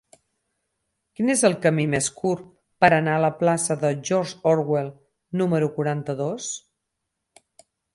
Quin és el camí més curt per anar a la plaça de George Orwell número quaranta-dos?